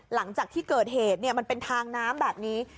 หลังจากที่เกิดเหตุมันเป็นทางน้ำแบบนี้